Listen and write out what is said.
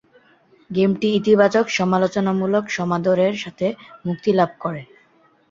গেমটি ইতিবাচক সমালোচনামূলক সমাদর এর সাথে মুক্তি লাভ করে।